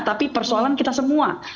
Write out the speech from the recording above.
tapi persoalan kita semua